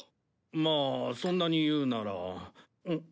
まあそんなに言うなら。